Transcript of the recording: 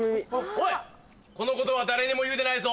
おいこのことは誰にも言うでないぞ。